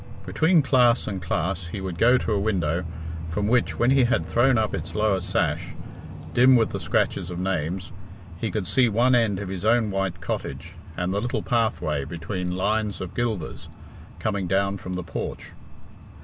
Between class and class he would go to a window, from which, when he had thrown up its lower sash, dim with the scratches of names, he could see one end of his own white cottage, and the little pathway, between lines of gilvers, coming down from the porch.